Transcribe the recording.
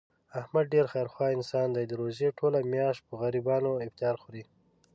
احمد ډېر خیر خوا انسان دی، د روژې ټوله میاشت په غریبانو افطاري خوري.